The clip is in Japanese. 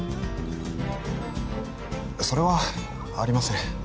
それはありません